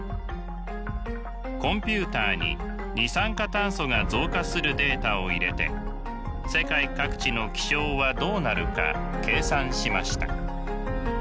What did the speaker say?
コンピューターに二酸化炭素が増加するデータを入れて世界各地の気象はどうなるか計算しました。